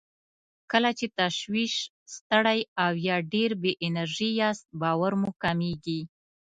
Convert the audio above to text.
کله چې تشویش، ستړی او يا ډېر بې انرژي ياست باور مو کمېږي.